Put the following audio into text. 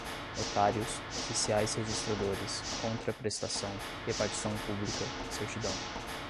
notários, oficiais registradores, contraprestação, repartição pública, certidão